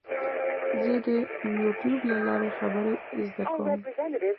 زه د یوټیوب له لارې خبرې زده کوم.